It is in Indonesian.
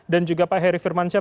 dan juga pak heri firman syafiq